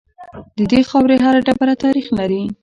د دې خاورې هر ډبره تاریخ لري